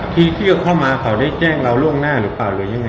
ที่เชื่อเข้ามาเขาได้แจ้งเราล่วงหน้าหรือเปล่าหรือยังไง